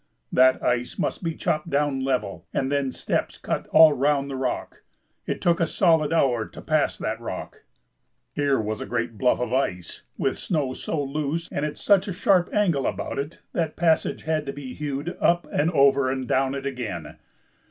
That ice must be chopped down level, and then steps cut all round the rock. It took a solid hour to pass that rock. Here was a great bluff of ice, with snow so loose and at such a sharp angle about it that passage had to be hewed up and over and down it again.